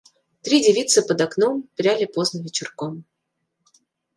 Три девицы под окном пряли поздно вечерком